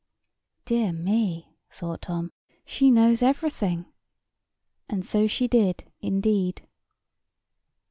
"Dear me," thought Tom, "she knows everything!" And so she did, indeed.